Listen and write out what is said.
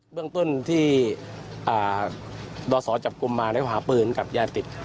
เรื่องต้นที่ดศจับกลุ่มมาแล้วหาปืนกับยาติด